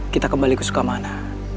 kita kembali ke sukamana